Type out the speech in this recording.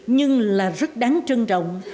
nhưng là rất đáng